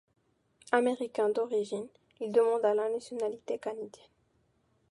Américain d'origine il demanda la nationalité canadienne.